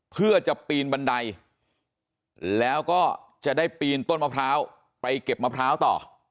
เพื่อจะปีนบันไดแล้วก็จะได้ปีนต้นมะพร้าวไปเก็บมะพร้าวต่อ